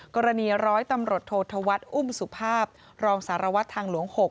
ร้อยตำรวจโทษธวัฒน์อุ้มสุภาพรองสารวัตรทางหลวง๖